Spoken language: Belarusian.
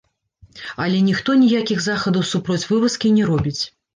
Але ніхто ніякіх захадаў супроць вывазкі не робіць.